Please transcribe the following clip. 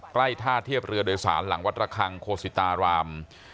ใกล้ท่าเทียบเรือโดยสารหลังวัดระคังโคสิตาราม